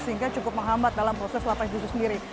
sehingga cukup menghambat dalam proses lapas itu sendiri